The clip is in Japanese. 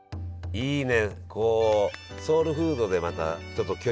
いいね。